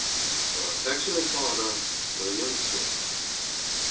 Your affectionate father, WILLIAM SOULE.